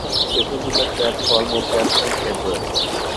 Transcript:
স্টেশনটিতে platform ও platform shed রয়েছে।